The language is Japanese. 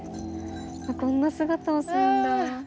こんな姿をするんだ。